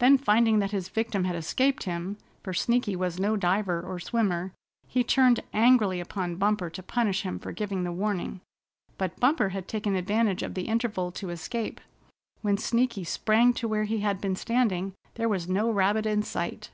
Then finding that his victim had escaped him, for Sneaky was no diver or swimmer, he turned angrily upon Bumper to punish him for giving the warning. But Bumper had taken advantage of the interval to escape. When Sneaky sprang to where he had been standing there was no rabbit in sight.